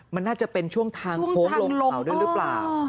มันน่าจะเป็นช่วงทางโค้งลงเขาด้วยหรือเปล่า